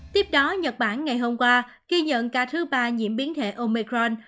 tiếp đó nhật bản ngày hôm qua ghi nhận ca thứ ba nhiễm biến thể omecron